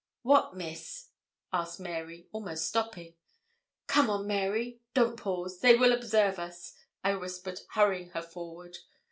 'What, Miss?' asked Mary, almost stopping. 'Come on, Mary. Don't pause. They will observe us,' I whispered, hurrying her forward.